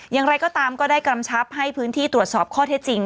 อย่างไรก็ตามก็ได้กำชับให้พื้นที่ตรวจสอบข้อเท็จจริง